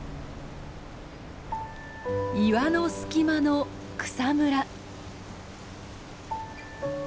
岩の隙間の草むら。